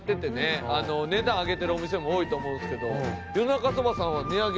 値段上げてるお店も多いと思うんですけど。